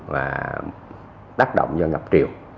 và tác động do ngập triệu